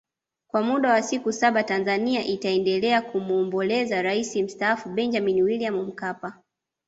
Kwa muda wa siku saba Tanzania itaendelea kumwombolezea Rais Mstaafu Benjamin William Mkapa